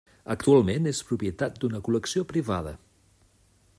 Actualment és propietat d'una col·lecció privada.